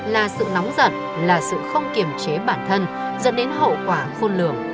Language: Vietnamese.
là sự nóng giật là sự không kiểm chế bản thân dẫn đến hậu quả khôn lường